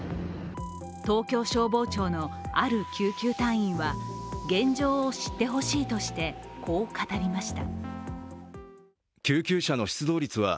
東京消防庁のある救急隊員は現状を知ってほしいとしてこう語りました。